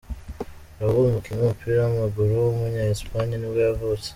Raúl, umukinnyi w’umupira w’amaguru w’umunya Espagne nibwo yavutse.